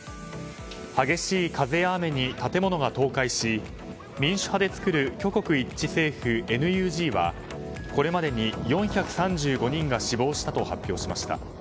激しい風や雨に建物が倒壊し民主派で作る挙国一致政府・ＮＵＧはこれまでに４３５人が死亡したと発表しました。